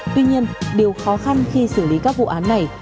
tuy nhiên điều khó khăn khi xử lý các vụ án này